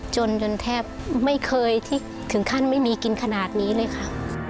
จนจนแทบไม่เคยที่ถึงขั้นไม่มีกินขนาดนี้เลยค่ะ